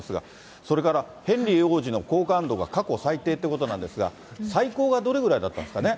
それからヘンリー王子の好感度が過去最低ということなんですが、最高がどれぐらいだったんですかね。